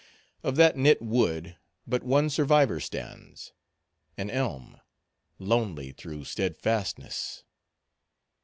Of that knit wood, but one survivor stands—an elm, lonely through steadfastness.